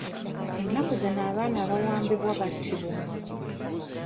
Ennaku zino abaana abawambibwa battibwa.